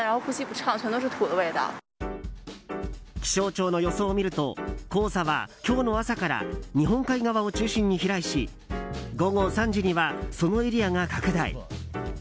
気象庁の予想を見ると黄砂は今日の朝から日本海側を中心に飛来し午後３時にはそのエリアが拡大。